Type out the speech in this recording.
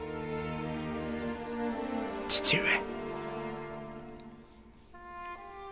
父上。